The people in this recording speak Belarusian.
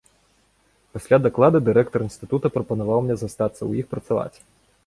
Пасля даклада дырэктар інстытута прапанаваў мне застацца ў іх працаваць.